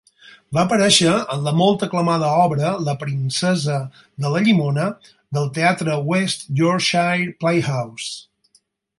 Va aparèixer en la molt aclamada obra "La princesa de la llimona" del teatre West Yorkshire Playhouse.